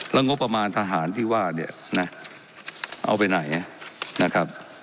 แล้วงบประมาณทหารที่ว่าเนี่ยนะเอาไปไหนนะครับ